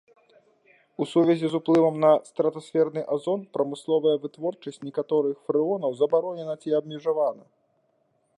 У сувязі з уплывам на стратасферны азон прамысловая вытворчасць некаторых фрэонаў забаронена ці абмежавана.